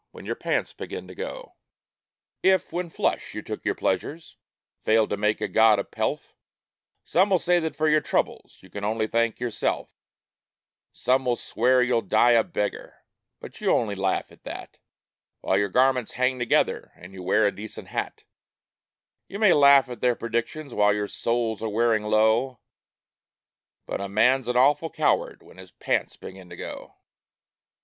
WHEN YOUR PANTS BEGIN TO GO 67 If, when flush, you took your pleasure failed to make a god of Pelf Some will say that for your troubles you can only thank yourself ; Some will swear you'll die a beggar, but you only laugh at that While your garments hang together and you wear a decent hat ; You may laugh at their predictions while your soles are wearing through But a man's an awful coward when his pants are going too